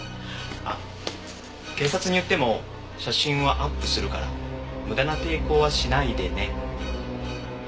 あっ警察に言っても写真はアップするから無駄な抵抗はしないでね。